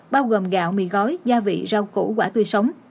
bao gồm gạo mì gói gia vị rau củ quả tươi sống